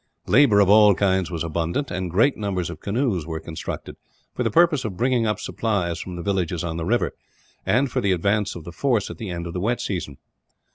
Labour of all kinds was abundant, and great numbers of canoes were constructed for the purpose of bringing up supplies from the villages on the river, and for the advance of the force at the end of the wet season.